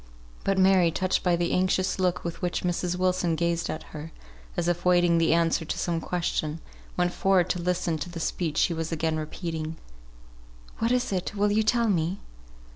But Mary, touched by the anxious look with which Mrs. Wilson gazed at her, as if awaiting the answer to some question, went forward to listen to the speech she was again repeating. "What is this? will you tell me?"